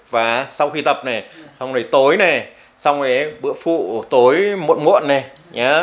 và sau khi tập này xong rồi tối này xong ấy bữa phụ tối muộn muộn này